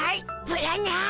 ブラニャー。